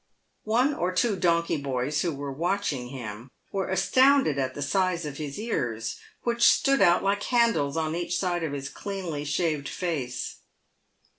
One or two 172 PAVED WITH GOLD. donkey boys, who were watching him, were astounded at the size of his ears, which stood out like handles on each side of his cleanly shaved face.